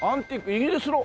イギリスの。